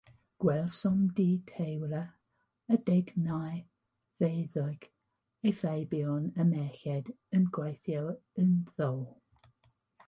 Gwelsom dŷ teiliwr, a deg neu ddeuddeg o feibion a merched yn gweithio ynddo.